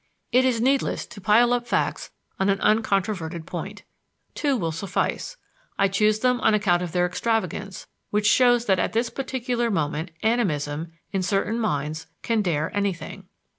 It is needless to pile up facts on an uncontroverted point. Two will suffice; I choose them on account of their extravagance, which shows that at this particular moment animism, in certain minds, can dare anything.